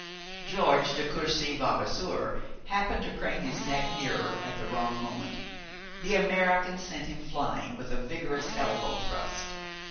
George de Courcy Vavasour happened to crane his neck nearer at the wrong moment. The American sent him flying with a vigorous elbow thrust.